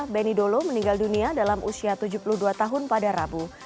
benny dolo meninggal dunia dalam usia tujuh puluh dua tahun pada rabu